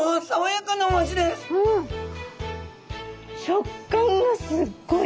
食感がすっごい！